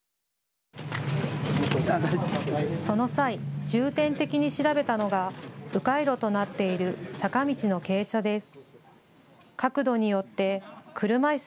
その際、重点的に調べたのがう回路となっている坂道の傾斜です。